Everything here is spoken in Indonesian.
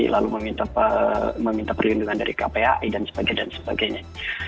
lalu meminta perlindungan dari kpai dan sebagainya